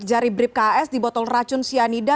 benarkah hanya ada sidik jari brip kas di botol racun sendiri